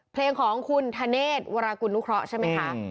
เพลงของคุณธเนธวรากุลนุเคราะห์ใช่ไหมคะ